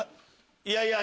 いやいや。